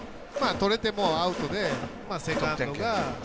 とれてもアウトでセカンドが。